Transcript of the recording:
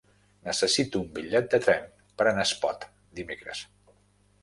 Necessito un bitllet de tren per anar a Espot dimecres.